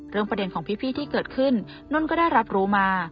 ประเด็นของพี่ที่เกิดขึ้นนุ่นก็ได้รับรู้มา